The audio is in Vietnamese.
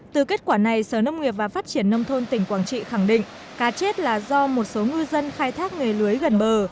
từ kết quả này sở nông nghiệp và phát triển nông thôn tỉnh quảng trị khẳng định cá chết là do một số ngư dân khai thác nghề lưới gần bờ